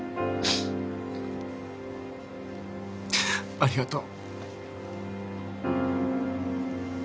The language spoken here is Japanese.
ありがとう。